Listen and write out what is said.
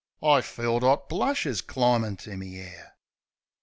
I felt 'ot blushes climbin' to me 'air.